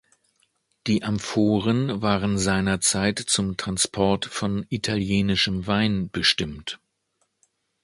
Die Amphoren waren seinerzeit zum Transport von italienischem Wein bestimmt.